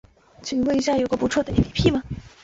请问一下有不错的 ㄟＰＰ 吗